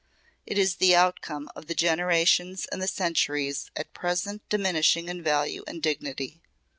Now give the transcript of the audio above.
"It is the outcome of the generations and the centuries at present diminishing in value and dignity.